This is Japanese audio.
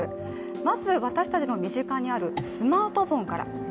まず、私たちの身近にあるスマートフォンから。